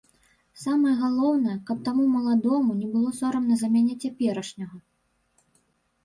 Самае галоўнае, каб таму маладому не было сорамна за мяне цяперашняга.